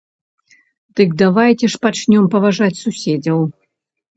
Дык давайце ж пачнём паважаць суседзяў.